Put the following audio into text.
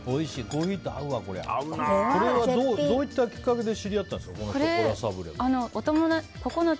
どういったきっかけで知り合ったんですか？